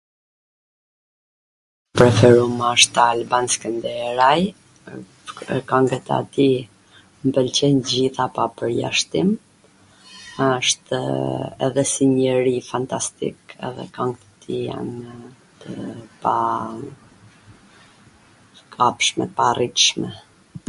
i preferum asht Alban Skwnderaj, kangwt e atij mw pwlqejn t gjitha pa pwrjashtim, ashtw edhe si njeri fantastik, edhe kangt e tij jan tw pakapshme, tw paarritshme.